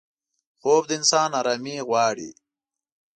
خوب د انسان آرامي غواړي